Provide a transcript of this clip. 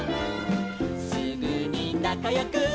「すぐになかよくなるの」